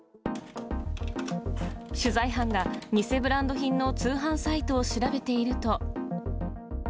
取材班が偽ブランド品の通販サイトを調べていると。